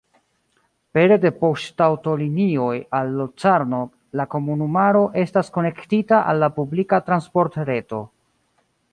Pere de poŝtaŭtolinioj al Locarno la komunumaro estas konektita al la publika transportreto.